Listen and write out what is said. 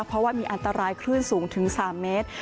เพราะว่ามีอันตรายคลื่นสูงถึง๓เมตร